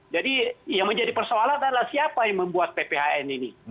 jadi yang menjadi persoalannya adalah siapa yang membuat pphn ini